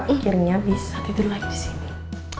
akhirnya bisa tidur lagi disini